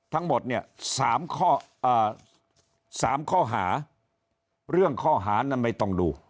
ทั้งหมดสามข้อหาร่วงข้อหานั่นไม่ต้องดู